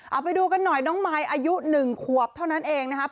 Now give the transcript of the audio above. เอาไปดูกันหน่อยน้องมายอายุ๑ขวบเท่านั้นเองนะครับ